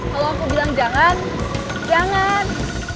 kalau aku bilang jangan